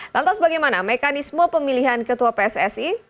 lantas bagaimana mekanisme pemilihan ketua pssi